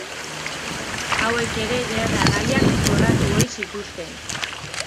Hauek ere gerra gaiak jorratu ohi zituzten.